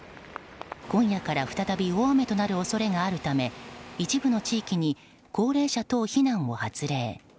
今夜から再び大雨となる恐れがあるため一部の地域に高齢者等避難を発令。